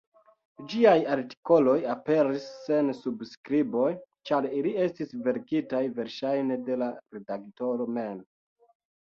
Ĝiaj artikoloj aperis sen subskriboj, ĉar ili estis verkitaj verŝajne de la redaktoro mem.